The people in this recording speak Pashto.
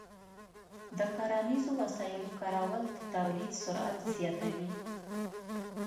د کرنیزو وسایلو کارول د تولید سرعت زیاتوي.